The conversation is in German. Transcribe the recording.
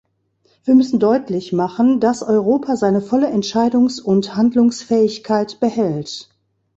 Wir müssen deutlich machen, dass Europa seine volle Entscheidungs- und Handlungsfähigkeit behält.